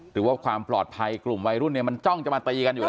หรือว่าความปลอดภัยกลุ่มวัยรุ่นเนี่ยมันจ้องจะมาตีกันอยู่แล้ว